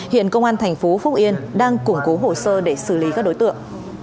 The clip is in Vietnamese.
hiện công an thành phố phúc yên đang củng cố hồ sơ để xử lý các đối tượng